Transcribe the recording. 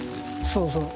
そうそう。